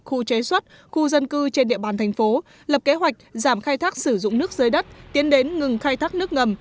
khu chế xuất khu dân cư trên địa bàn thành phố lập kế hoạch giảm khai thác sử dụng nước dưới đất tiến đến ngừng khai thác nước ngầm